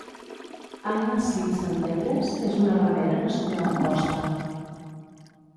Aina Cid Centelles és una remera nascuda a Amposta.